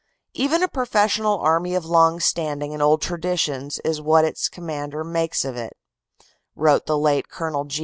"Even a professional army of long standing and old traditions is what its commander makes it," wrote the late Col.